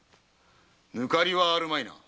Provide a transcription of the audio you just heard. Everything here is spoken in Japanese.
抜かりはあるまいな